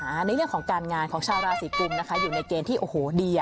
ในเรื่องของการงานของชาวราศีกุมนะคะอยู่ในเกณฑ์ที่โอ้โหดี